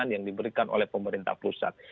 yang diberikan oleh pemerintah pusat